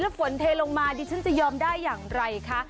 ฝนเทลงมาดิฉันจะยอมได้อย่างไรคะ